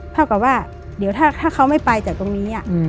เท่ากับว่าเดี๋ยวถ้าเขาไม่ไปจากตรงนี้